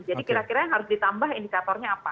jadi kira kira harus ditambah indikatornya apa